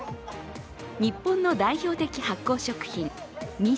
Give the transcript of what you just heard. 日本の代表的発酵食品、ＭＩＳＯ。